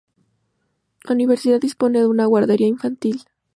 La universidad dispone de una guardería infantil.